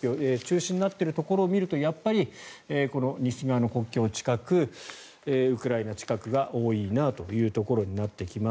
中止になっているところを見るとやっぱり西側の国境近くウクライナ近くが多いなというところになってきます。